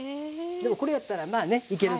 でもこれやったらまあねいけるので。